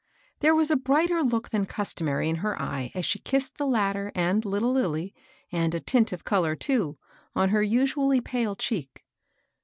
There was a brighter look than customary in her eye as she kissed the latter and litde Lilly, and a tint of color, too, on her usually pale cheek.